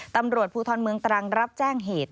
ตำรวจภูทรเมืองตรังรับแจ้งเหตุ